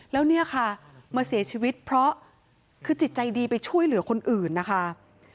แล้วเนี่ยค่ะมาเสียชีวิตเพราะคือจิตใจดีไปช่วยเหลือคนอื่นนะคะ